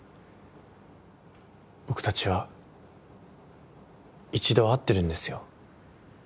僕たちは一度会ってるんですよ。